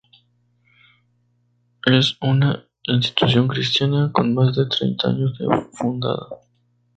Es una institución cristiana con más de treinta años de fundada.